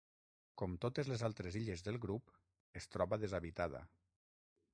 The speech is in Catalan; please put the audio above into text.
Com totes les altres illes del grup es troba deshabitada.